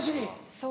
そう。